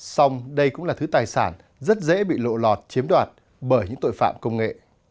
xong đây cũng là thứ tài sản rất dễ bị lộ lọt chiếm đoạt bởi những tội phạm công nghệ